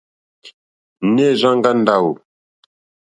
Nɛh Rzang'a Ndawo?